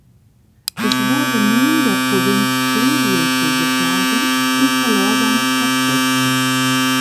Es wurde nun der Provinz Schlesien zugeschlagen und verlor seine Stadtrechte.